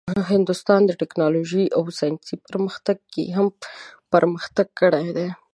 هندوستان د ټیکنالوژۍ او ساینسي پرمختګ کې هم پرمختګ کړی دی.